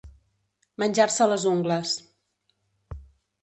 Menjar-se les ungles.